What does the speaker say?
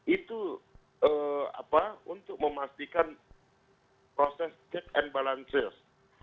itu untuk memastikan proses check and balances